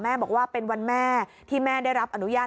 บอกว่าเป็นวันแม่ที่แม่ได้รับอนุญาต